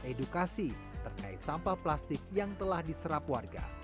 edukasi terkait sampah plastik yang telah diserap warga